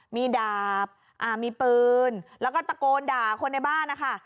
มีดาบมีปืนแล้วก็ตะโกนด่าคนในบ้านนะคะ